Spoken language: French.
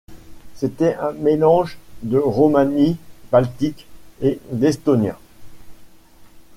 C'était un mélange de romani baltique et d'estonien.